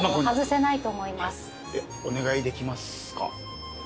お願いできますか？